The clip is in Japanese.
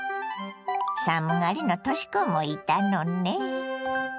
寒がりのとし子もいたのね。